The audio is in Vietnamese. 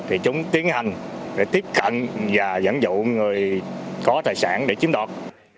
thì chúng tiến hành để tiếp cận và dẫn dụ người có tài sản để chiếm đoạt